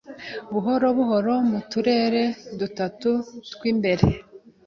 Buhoro buhoro mu turere dutatu twimbere